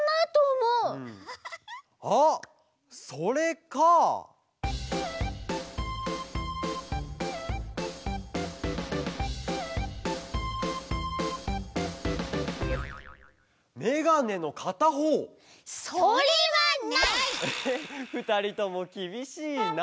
えっふたりともきびしいな。